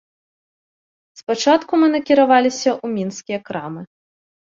Спачатку мы накіраваліся ў мінскія крамы.